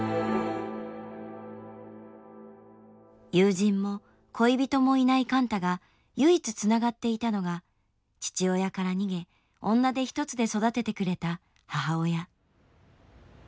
友人も恋人もいない貫多が唯一つながっていたのが父親から逃げ女手ひとつで育ててくれた母親。